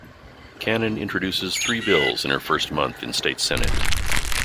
Cannon introduces three bills in her first month in state senate.